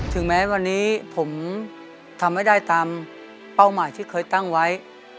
ถึงแม้วันนี้ผมทำไม่ได้ตามเป้าหมายที่เคยตั้งไว้